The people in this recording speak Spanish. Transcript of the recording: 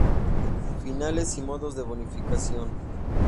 Finales y modos de bonificación.